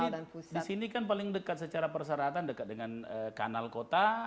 karena di sini kan paling dekat secara perseratan dekat dengan kanal kota